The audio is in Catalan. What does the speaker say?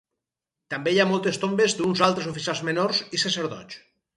També hi ha moltes tombes d'uns altres oficials menors i sacerdots.